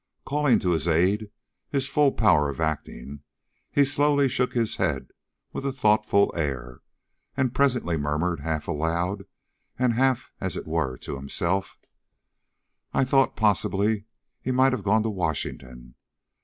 Calling to his aid his full power of acting, he slowly shook his head with a thoughtful air, and presently murmured half aloud and half, as it were, to himself: "I thought, possibly, he might have gone to Washington."